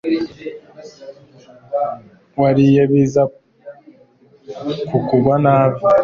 wariye biza kukugwa nabi